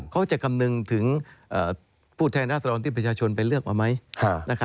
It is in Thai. เขาจะกำหนึ่งถึงผู้แท้งราชฯระวัลที่ประชาชนไปเลือกไหม